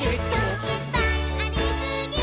「いっぱいありすぎー！！」